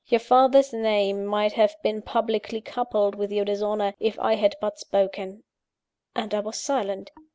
Your father's name might have been publicly coupled with your dishonour, if I had but spoken; and I was silent.